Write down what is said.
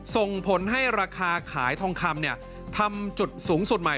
ส่งผลให้ราคาขายทองคำทำจุดสูงสุดใหม่